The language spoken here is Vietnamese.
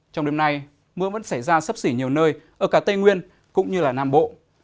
trong đêm nay mưa vẫn xảy ra sấp xỉ nhiều nơi ở cả tây nguyên cũng như nam bộ